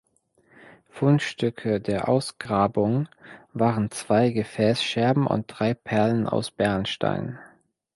Fundstücke der Ausgrabung waren zwei Gefäßscherben und drei Perlen aus Bernstein.